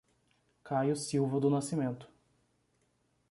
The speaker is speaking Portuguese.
Caio Silva do Nascimento